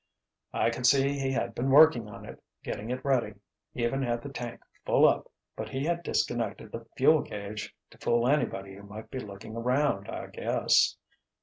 "I could see he had been working on it, getting it ready—even had the tank full up, but he had disconnected the fuel gauge to fool anybody who might be looking around, I guess."